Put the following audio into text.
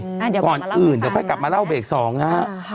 เดี๋ยวก่อนอื่นเดี๋ยวค่อยกลับมาเล่าเบรกสองนะฮะ